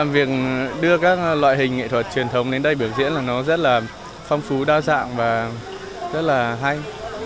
việc đưa các loại hình nghệ thuật truyền thống đến đây biểu diễn là nó rất là phong phú đa dạng và rất là hay